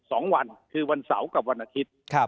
สองวันคือวันเสาร์กับวันอาทิตย์ครับ